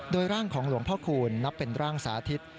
โดยร่างของหลวงพ่อคูณนับเป็นร่างสาธิต